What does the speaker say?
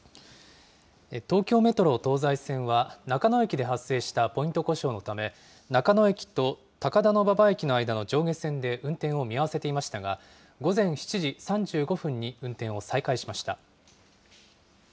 東京メトロ東西線は、中野駅で発生したポイント故障のため、中野駅と高田馬場駅の間の上下線で運転を見合わせていましたが、午前７時３５分に運転を再開しました。